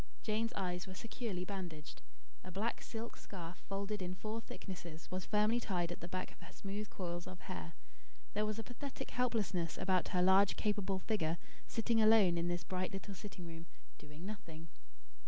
Jane's eyes were securely bandaged. A black silk scarf, folded in four thicknesses, was firmly tied at the back of her smooth coils of hair. There was a pathetic helplessness about her large capable figure, sitting alone, in this bright little sitting room, doing nothing.